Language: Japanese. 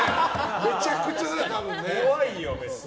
めちゃくちゃだよ、多分。